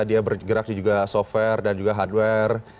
dia bergerak juga software dan juga hardware